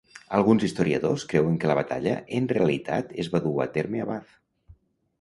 Alguns historiadors creuen que la batalla en realitat es va dur a terme a Bath.